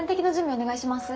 お願いします。